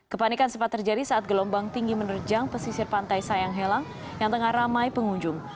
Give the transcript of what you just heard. kepanikan sempat terjadi saat gelombang tinggi menerjang pesisir pantai sayang helang yang tengah ramai pengunjung